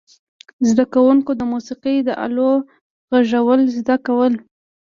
زده کوونکو د موسیقي د آلو غږول زده کول.